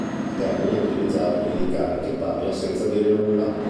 Il termine è utilizzato per indicare chi parla senza dire nulla.